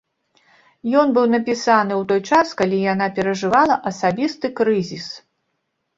Ён быў напісаны ў той час, калі яна перажывала асабісты крызіс.